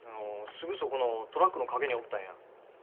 すぐそこのトラックの陰におったんや。